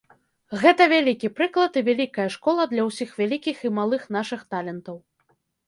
Гэта вялікі прыклад і вялікая школа для ўсіх вялікіх і малых нашых талентаў.